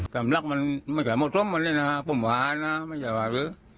กำลักมันไม่แค่โมชมมันเลยนะครับผมว่านะไม่แค่ว่าคือ